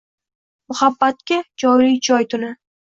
Muhabbatga joyli-joy tuni